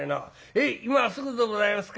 へい今すぐでございますから」。